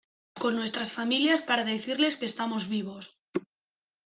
con nuestras familias para decirles que estamos vivos.